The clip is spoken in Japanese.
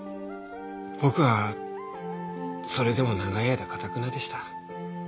僕はそれでも長い間頑なでした。